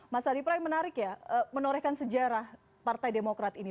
mas adi pray menarik ya menorehkan sejarah partai demokrat ini